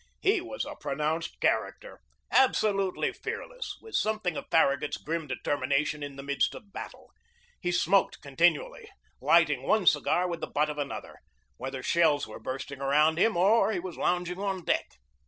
His was a pronounced character, abso lutely fearless, with something of Farragut' s grim determination in the midst of battle. He smoked continually, lighting one cigar with the butt of an other, whether shells were bursting around him or he was lounging on deck.